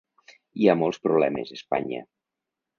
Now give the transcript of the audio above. Hi ha molts problemes Espanya.